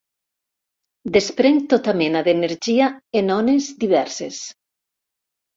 Desprenc tota mena d'energia en ones diverses.